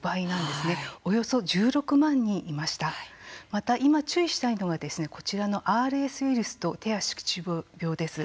また今、注意したいのがこちらのＲＳウイルスと手足口病です。